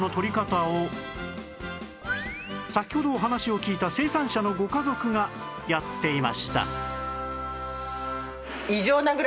先ほどお話を聞いた生産者のご家族がやっていました